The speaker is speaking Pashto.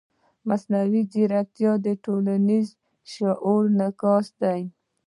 مصنوعي ځیرکتیا د ټولنیز شعور انعکاس دی.